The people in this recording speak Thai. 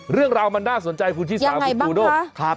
เรื่องราวมันน่าสนใจคุณชิสาคุณกูโดค่ะยังไงบ้างคะ